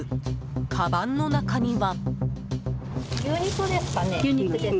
かばんの中には。